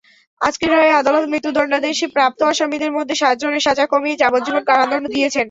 আজকের রায়ে আদালত মৃত্যুদণ্ডাদেশ প্রাপ্ত আসামিদের মধ্যে সাতজনের সাজা কমিয়ে যাবজ্জীবন কারাদণ্ড দিয়েছেন।